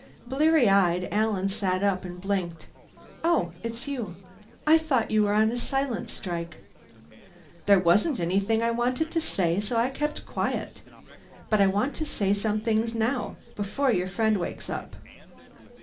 Bleary eyed, Alan sat up and blinked. "Oh it's you. I thought you were on a silence strike." "There wasn't anything I wanted to say, so I kept quiet. But I want to say some things now, before your new friend wakes up."